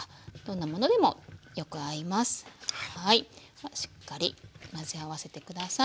さあしっかり混ぜ合わせて下さい。